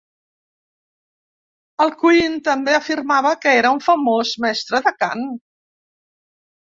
Alcuin també afirmava que era un famós mestre de cant.